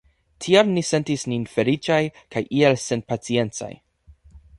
Tial ni sentis nin feliĉaj kaj iel senpaciencaj.